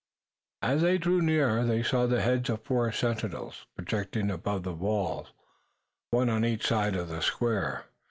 As they drew near they saw the heads of four sentinels projecting above the walls, one on each side of the square.